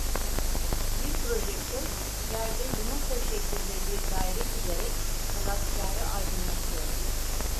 Bir projektör, yerde yumurta şeklinde bir daire çizerek, sanatkârı aydınlatıyordu.